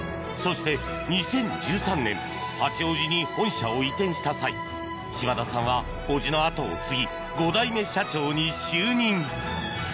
そして、２０１３年八王子に本社を移転した際島田さんは叔父の後を継ぎ５代目社長に就任。